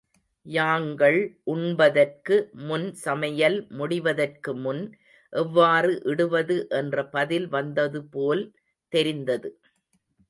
யாங்கள் உண்பதற்கு முன் சமையல் முடிவதற்கு முன் எவ்வாறு இடுவது என்ற பதில் வந்ததுபோல் தெரிந்தது.